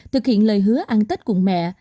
thực hiện lời hứa ăn tết cùng mẹ